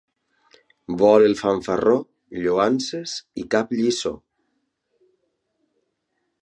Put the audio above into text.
Vol el fanfarró lloances i cap lliçó.